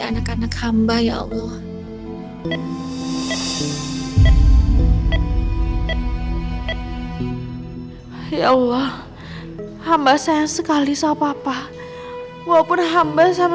anak anak hamba ya allah ya allah hamba saya sekali sama papa walaupun hamba sama